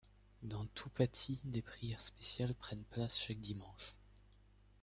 Dans tout pathi, des prières spéciales prennent place chaque dimanche.